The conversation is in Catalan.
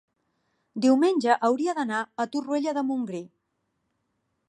diumenge hauria d'anar a Torroella de Montgrí.